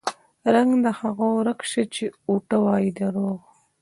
رنګ د هغو ورک شه چې اوټه وايي دروغ